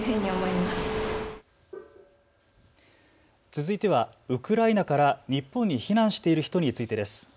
続いてはウクライナから日本に避難している人についてです。